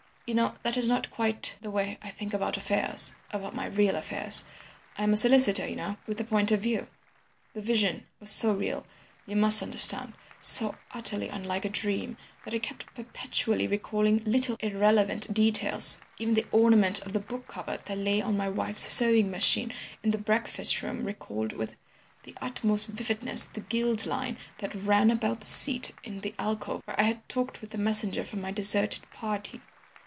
"You know that is not quite the way I think about affairs, about my real affairs. I am a solicitor, you know, with a point of view. "The vision was so real, you must understand, so utterly unlike a dream that I kept perpetually recalling little irrelevant details; even the ornament of the book cover that lay on my wife's sewing machine in the breakfast room recalled with the utmost vividness the gilt line that ran about the seat in the alcove where I had talked with the messenger from my deserted party.